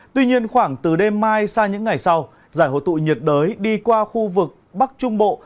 tuy nhiên khoảng từ đêm mai sang những ngày sau giải hồ tụ nhiệt đới đi qua khu vực bắc trung bộ